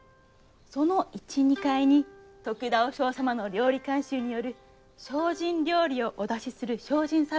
その１２階に得田和尚さまの料理監修による精進料理をお出しする精進サロンをつくり。